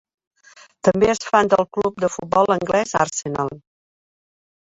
També és fan del club de futbol anglès Arsenal.